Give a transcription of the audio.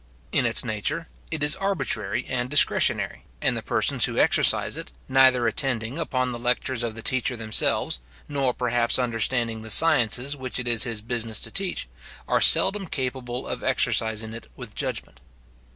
In its nature, it is arbitrary and discretionary; and the persons who exercise it, neither attending upon the lectures of the teacher themselves, nor perhaps understanding the sciences which it is his business to teach, are seldom capable of exercising it with judgment.